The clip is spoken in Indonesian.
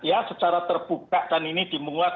ya secara terbuka dan ini dimuat